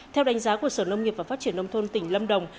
theo đánh giá của sở nông nghiệp và phát triển nông thôn tỉnh lâm đồng